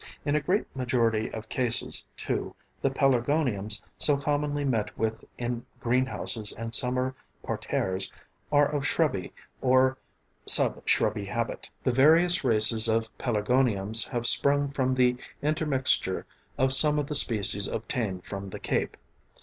In a great majority of cases too, the pelargoniums so commonly met with in greenhouses and summer parterres are of shrubby or sub shrubby habit. The various races of pelargoniums have sprung from the intermixture of some of the species obtained from the Cape.